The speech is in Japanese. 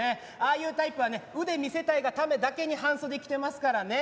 ああいうタイプはね腕見せたいがためだけに半袖着てますからね。